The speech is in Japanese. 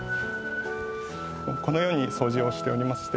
このようにそうじをしておりまして。